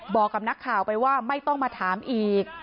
บอกกับนักข่าวไปว่าไม่ต้องมาถามอีก